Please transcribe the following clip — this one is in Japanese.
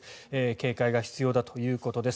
警戒が必要だということです。